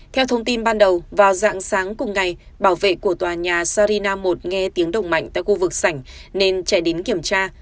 theo thông tin ban đầu vào dạng sáng cùng ngày bảo vệ của tòa nhà sarina một nghe tiếng đồng mạnh tại khu vực sảnh nên chạy đến kiểm tra